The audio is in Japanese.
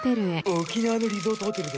沖縄のリゾートホテルで。